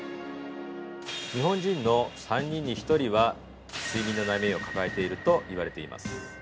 ◆日本人の３人に１人は睡眠の悩みを抱えているといわれています。